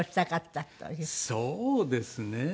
そうですね。